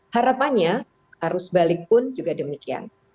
harapannya arus balik pun juga demikian